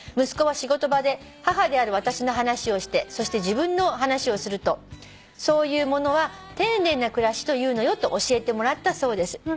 「息子は仕事場で母である私の話をしてそして自分の話をするとそういうものは『丁寧な暮らし』というのよと教えてもらったそうです」